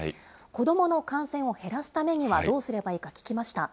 子どもの感染を減らすためにはどうすればいいか聞きました。